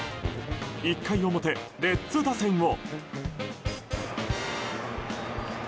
１回表、レッズ打線を。